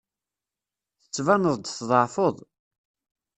Tettbaneḍ-d tḍeɛfeḍ.